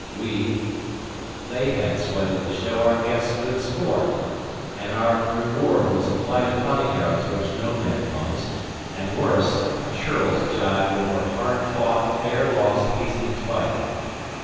We they had sweated to show our guests good sport, and our reward was a flight of hunting arrows which no man loves, and worse, a churl's jibe over hard fought, fair lost Hastings fight.